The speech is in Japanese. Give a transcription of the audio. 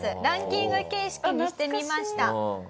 ランキング形式にしてみました。